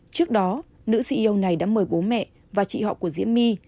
trước đó nữ ceo này đã mời bố mẹ và chị họ của diễm my